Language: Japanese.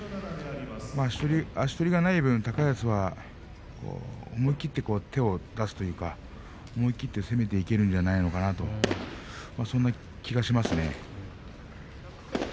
足取りがない分に高安は思い切って手を出すというか思い切って攻めていけるんじゃないかとそんな気がしますね。